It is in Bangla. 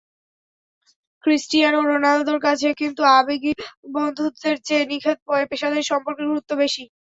ক্রিস্টিয়ানো রোনালদোর কাছে কিন্তু আবেগী বন্ধুত্বের চেয়ে নিখাদ পেশাদারি সম্পর্কের গুরুত্বই বেশি।